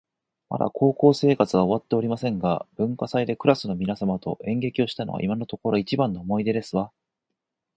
まだ高校生活が終わっておりませんが、文化祭でクラスの皆様と演劇をしたのが今のところ一番の思い出ですわ